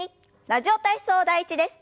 「ラジオ体操第１」です。